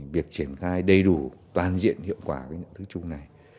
việc triển khai đầy đủ toàn diện hiệu quả với những thứ chung này